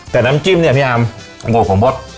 แต่น้ำจิ้มเนี่ยพี่อำหัวผมบด